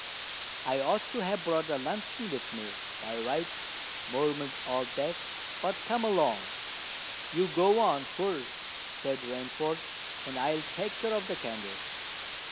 "I ought to have brought a lantern with me, by rights," murmured Old Death. "But come along." "You go on first," said Rainford; "and I'll take care of the candle."